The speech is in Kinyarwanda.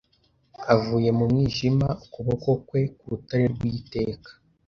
avuye mu mwijima ukuboko kwe Ku rutare rwiteka